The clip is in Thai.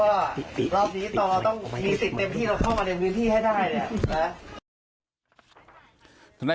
รอบนี้ต่อต้องมีสิ่งเต็มที่เราเข้ามาเรียนวิวที่ให้ได้